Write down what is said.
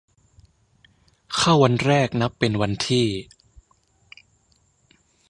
เข้าวันแรกนับเป็นวันที่